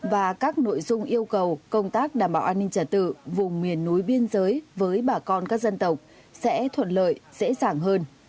và các nội dung yêu cầu công tác đảm bảo an ninh trả tự vùng miền núi biên giới với bà con các dân tộc sẽ thuận lợi dễ dàng hơn